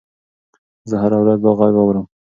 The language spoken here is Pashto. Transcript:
زه هره ورځ دا غږ اورم.